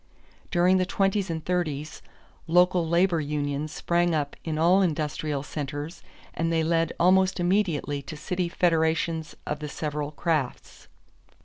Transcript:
During the twenties and thirties, local labor unions sprang up in all industrial centers and they led almost immediately to city federations of the several crafts.